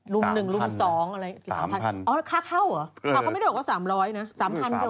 รูม๑รูม๒อะไร๓พันค่าเข้าเหรออ๋อเขาไม่ได้บอกว่า๓๐๐เนี่ย